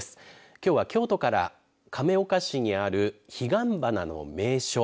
きょうは京都から亀岡市にある彼岸花の名所。